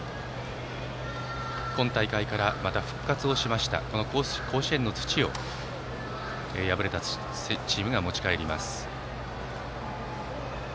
今大会から、また復活をしました甲子園の土を敗れたチームが持ち帰ります。